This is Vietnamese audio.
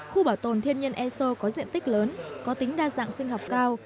khu bảo tồn thiên nhiên eso có diện tích lớn có tính đa dạng sinh học cao